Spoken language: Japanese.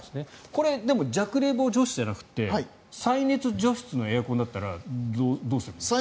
これ、でも弱冷房除湿じゃなくて再熱除湿のエアコンだったらどうすればいいんですか？